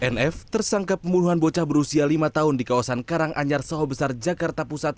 nf tersangka pembunuhan bocah berusia lima tahun di kawasan karanganyar soho besar jakarta pusat